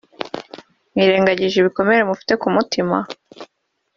mwirengagije ibikomere mufite ku mutima